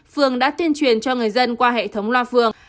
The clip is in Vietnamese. phường đã tuyên truyền cho người dân qua hệ thống loa phường